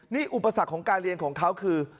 นี่อุปสรรคของการเรียนของเขาคือ